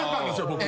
僕。